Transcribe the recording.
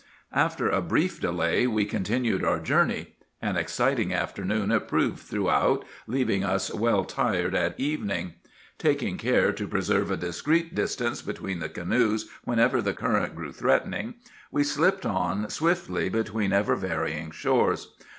After a brief delay we continued our journey. An exciting afternoon it proved throughout, leaving us well tired at evening. Taking care to preserve a discreet distance between the canoes whenever the current grew threatening, we slipped on swiftly between ever varying shores.